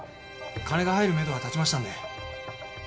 金が入るめどは立ちましたので。